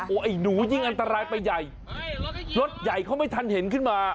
ไอ้หนูยิ่งอันตรายไปใหญ่รถใหญ่เขาไม่ทันเห็นขึ้นมา